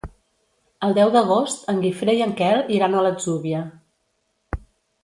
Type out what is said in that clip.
El deu d'agost en Guifré i en Quel iran a l'Atzúbia.